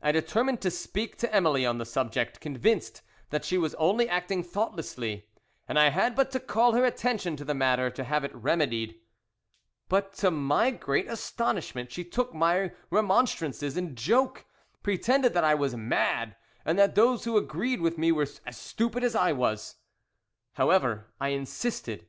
I determined to speak to Emily on the subject, convinced that she was only acting thoughtlessly and I had but to call her attention to the matter to have it remedied. "But to my great astonishment she took my remonstrances in joke, pretended that I was mad, and that those who agreed with me were as stupid as I was. "However, I insisted.